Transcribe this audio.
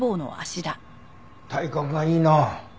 体格がいいな。